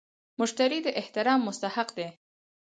مشتري د احترام مستحق دی.